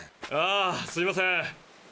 ああすいません。